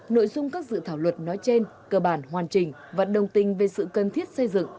nội dung các dự thảo luật nói trên cơ bản hoàn chỉnh và đồng tình về sự cần thiết xây dựng